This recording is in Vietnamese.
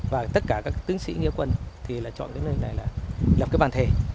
và tất cả các tướng sĩ nghĩa quân thì là chọn cái nơi này là lập cái bàn thể